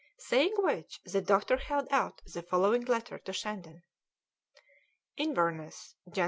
Saying which the doctor held out the following letter to Shandon: "INVERNESS, "Jan.